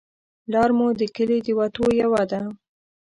لار مو د کلي د وتو یوه ده